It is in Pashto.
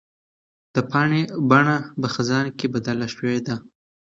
د پاڼې بڼه په خزان کې بدله شوې ده.